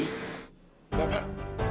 saya tadinya mau ketemu bapak